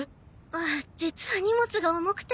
あっ実は荷物が重くて。